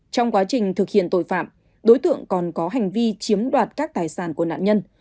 trong quá trình thực hiện tội phạm đối tượng còn có hành vi chiếm đoạt các tài sản của nạn nhân